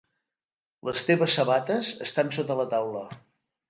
Les teves sabates estan sota la taula.